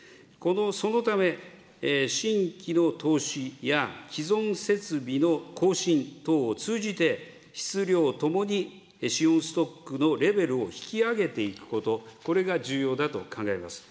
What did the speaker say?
そのため、新規の投資や既存設備の更新等を通じて、質、量ともに、資本ストックのレベルを引き上げていくこと、これが重要だと考えます。